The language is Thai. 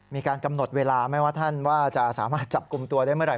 มีการกำหนดเวลาไม่ว่าท่านว่าจะสามารถจับกลุ่มตัวได้เมื่อไห